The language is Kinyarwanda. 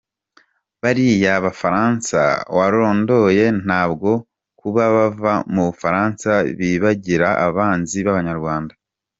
Bariya Bafaransa warondoye ntabwo kuba bava mu Bufaransa bibagira abanzi b’Abanyarwanda.